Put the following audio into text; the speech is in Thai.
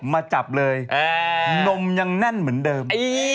มาจับเลยนมยังแน่นเหมือนเดิม